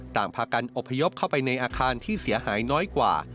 ต่างพากันอบพยพเข้าไปในอาคารที่เสียหายน้อยกว่า